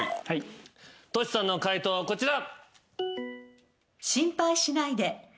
としさんの解答はこちら。